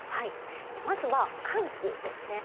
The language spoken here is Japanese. まずは寒気ですね。